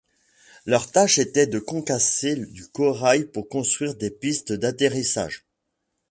Leur tâche était de concasser du corail pour construire des pistes d'atterrissage.